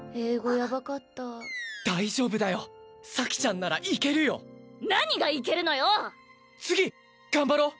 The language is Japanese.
やばかった大丈夫だ咲ちゃんならいけるよ何がいけ次頑張ろう！